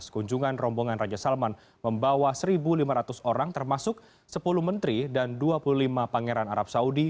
kunjungan rombongan raja salman membawa satu lima ratus orang termasuk sepuluh menteri dan dua puluh lima pangeran arab saudi